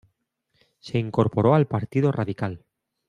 Se incorporó al Partido Radical.